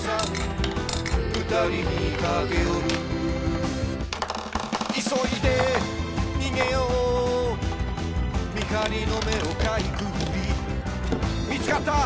「ふたりにかけよる」「急いで逃げよう」「見張りの目をかいくぐり」「見つかった！